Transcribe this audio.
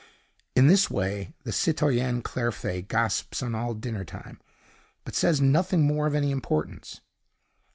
"In this way the citoyenne Clairfait gossips on all dinner time, but says nothing more of any importance.